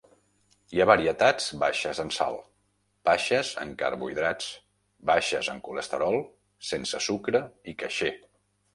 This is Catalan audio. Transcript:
Hi ha varietats baixes en sal, baixes en carbohidrats, baixes en colesterol, sense sucre i caixer.